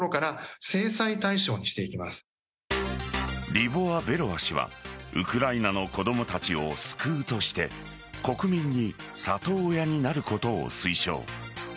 リボワ・ベロワ氏はウクライナの子供たちを救うとして国民に里親になることを推奨。